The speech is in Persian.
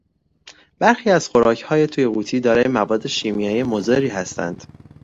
برخی از خوراکهای توی قوطی دارای مواد شیمیایی مضری هستند.